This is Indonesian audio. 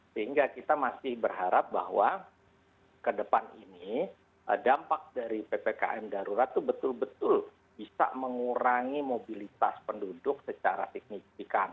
sehingga kita masih berharap bahwa ke depan ini dampak dari ppkm darurat itu betul betul bisa mengurangi mobilitas penduduk secara signifikan